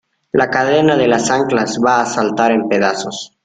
la cadena de las anclas va a saltar en pedazos.